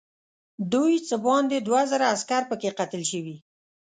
دوی څه باندې دوه زره عسکر پکې قتل شوي.